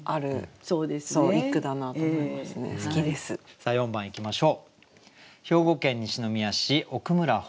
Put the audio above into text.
さあ４番いきましょう。